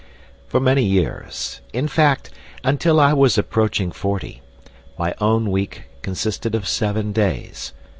For many years in fact, until I was approaching forty my own week consisted of seven days.